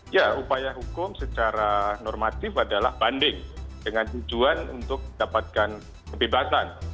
ya upaya hukum secara normatif adalah banding dengan tujuan untuk dapatkan kebebasan